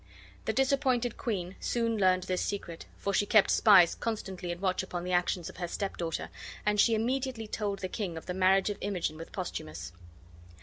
The disappointed queen soon learned this secret, for she kept spies constantly in watch upon the actions of her stepdaughter, and she immediately told the king of the marriage of Imogen with Posthumus.